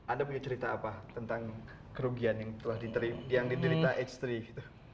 anda punya cerita apa tentang kerugian yang telah diterima yang diterima x tiga